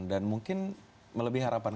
dan mungkin melebih harapan